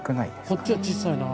こっちは小さいな。